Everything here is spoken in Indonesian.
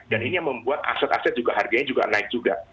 dan ini yang membuat aset aset juga harganya juga naik juga